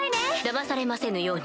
だまされませぬように。